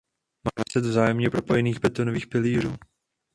Má deset vzájemně propojených betonových pilířů.